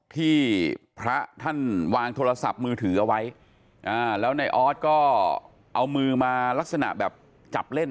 ที่พระท่านวางโทรศัพท์มือถือเอาไว้แล้วในออสก็เอามือมาลักษณะแบบจับเล่น